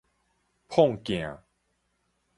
膨鏡